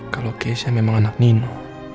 kalau cash nya memang anak nino